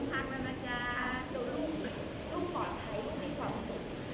สวัสดีครับสวัสดีครับ